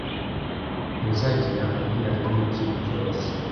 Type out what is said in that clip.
Ntuzakenera kubwira Tom ikintu cyose.